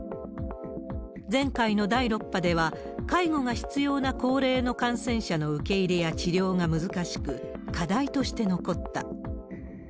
前回の第６波では、介護が必要な高齢の感染者の受け入れや治療が難しく、課題として残った。